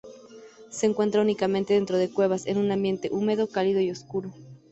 Se encuentra únicamente dentro de cuevas, en un ambiente húmedo, cálido y oscuro.